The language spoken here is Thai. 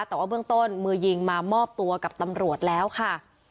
แต่ว่าเบื้องต้นมือยิงมามอบตัวกับตำรวจแล้วค่ะ